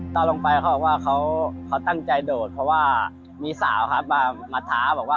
ตอนลงไปเขาบอกว่าเขาตั้งใจโดดเพราะว่ามีสาวครับมาท้าบอกว่า